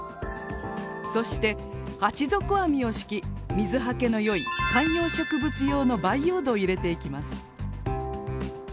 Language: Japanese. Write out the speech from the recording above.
そして鉢底網を敷き水はけの良い観葉植物用の培養土を入れていきます。